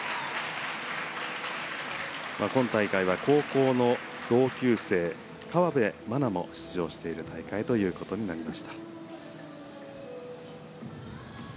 今大会は高校の同級生河辺愛菜も出場している大会ということになりました。